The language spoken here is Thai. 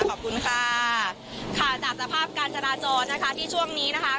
ขอบคุณค่ะค่ะจากสภาพการจราจรนะคะที่ช่วงนี้นะคะ